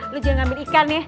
lu jangan ambil ikan ya